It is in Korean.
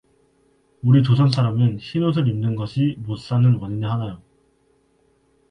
우리 조선 사람은 흰옷을 입는 것이 못사는 원인의 하나요.